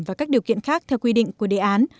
và các điều kiện khác theo quy định của đề án